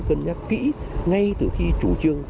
cân nhắc kỹ ngay từ khi chủ trương